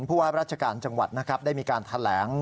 เพราะว่าราชการจังหวัดได้มีการแถลง